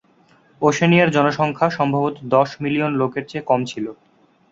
ওশেনিয়ার জনসংখ্যা সম্ভবত দশ মিলিয়ন লোকের চেয়ে কম ছিল।